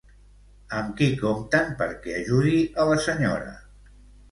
Amb qui compten perquè ajudi a la senyora.